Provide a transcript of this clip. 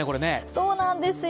そうなんですよ。